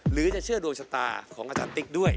หรือจะเชื่อดวงชะตาของอาจารย์ติ๊กด้วย